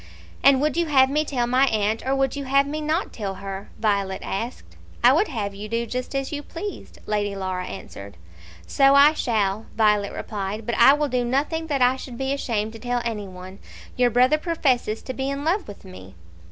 "And would you have me tell my aunt, or would you have me not tell her?" Violet asked. "I would have you do just as you pleased," Lady Laura answered. "So I shall," Violet replied, "but I will do nothing that I should be ashamed to tell any one. Your brother professes to be in love with me."